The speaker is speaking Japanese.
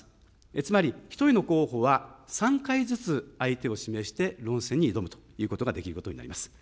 つまり、１人の候補は３回ずつ相手を指名して、論戦に挑むということができるということになります。